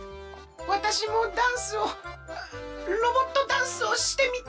わたしもダンスをロボットダンスをしてみたい。